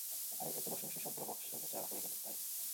আরে এ তো, বসে বসেই সবগুলা বাক্স বেচা হয়ে গেল, ভাই।